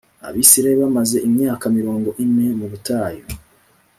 Abisirayeli bamaze imyaka mirongo ine mubutayu